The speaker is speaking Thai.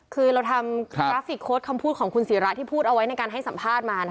คือเราทำครับพูดของคุณศีระที่พูดเอาไว้ในการให้สัมภาษณ์มานะคะ